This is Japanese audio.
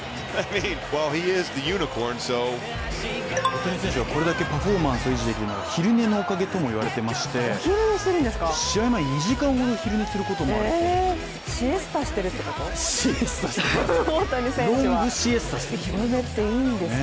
大谷選手がこれだけパフォーマンスを維持できるのは昼寝のおかげとも言われていまして試合前に２時間ほど昼寝することもあるそうです。